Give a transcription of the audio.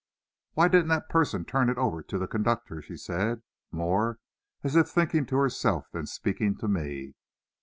"Why didn't that person turn it over to the conductor?" she said, more as if thinking to herself than speaking to me.